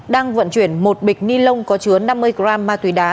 đang vận chuyển một bịch ni lông có chứa năm mươi g ma túy đá